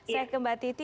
saya ke mbak titi